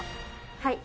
はい。